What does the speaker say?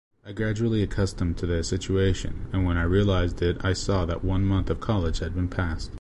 I gradually accustomed to the situation and when I realized it I saw that one month of college had been passed.